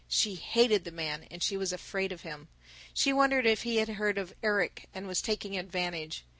She hated the man, and she was afraid of him. She wondered if he had heard of Erik, and was taking advantage.